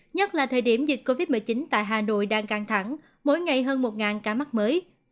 nhất là thời điểm dịch covid một mươi chín tại hà nội đang căng thẳng mỗi ngày hơn một ca mắc mới